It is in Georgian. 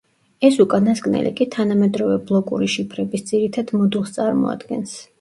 ეს უკანასკნელი კი თანამედროვე ბლოკური შიფრების ძირითად მოდულს წარმოადგენს.